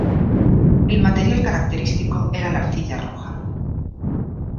El material característico era la arcilla roja.